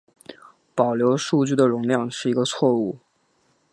保留数据的容量是一个错误。